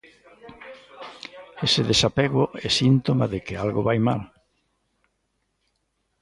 Ese desapego é síntoma de que algo vai mal.